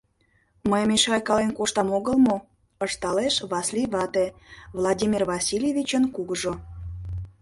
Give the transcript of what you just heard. — Мый мешайкален коштам огыл мо? — ышталеш Васлий вате, Владимир Васильевичын кугыжо.